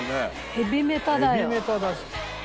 ヘビメタだし。